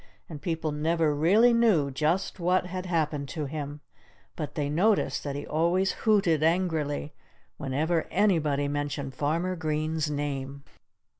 And people never really knew just what had happened to him. But they noticed that he always hooted angrily whenever anybody mentioned Farmer Green's name.